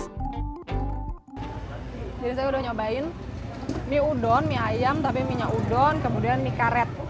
jadi saya udah nyobain mie udon mie ayam tapi mie nya udon kemudian mie karet